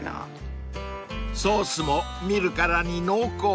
［ソースも見るからに濃厚。